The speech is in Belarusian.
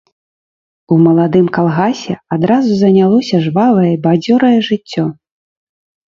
У маладым калгасе адразу занялося жвавае, бадзёрае жыццё.